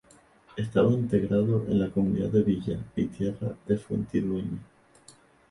Estaba integrado en la Comunidad de villa y tierra de Fuentidueña.